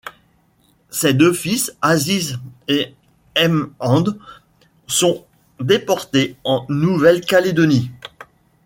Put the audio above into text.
Ses deux fils, Aziz et M'hand, sont déportés en Nouvelle-Calédonie.